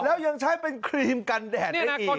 แล้วยังใช้เป็นครีมกันแดดได้อีก